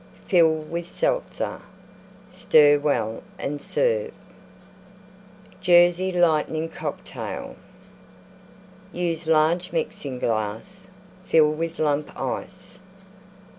Fill with Seltzer. Stir well and serve. JERSEY LIGHTNING COCKTAIL Use large Mixing glass; fill with Lump Ice.